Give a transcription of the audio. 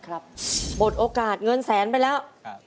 หมดโอกาสเงินแสนไปแล้ว